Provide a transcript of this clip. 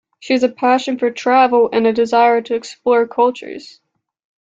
She has a passion for travel, and a desire to explore cultures.